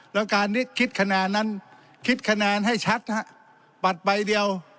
แล้วการคิดคะแนนให้ชัดบัตรใบเดียว